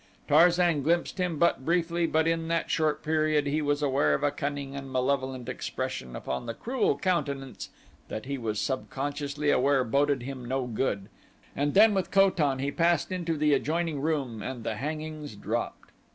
Tarzan glimpsed him but briefly but in that short period he was aware of a cunning and malevolent expression upon the cruel countenance that he was subconsciously aware boded him no good, and then with Ko tan he passed into the adjoining room and the hangings dropped.